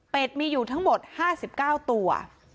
เป็นมีอยู่ทั้งหมด๕๙ตัว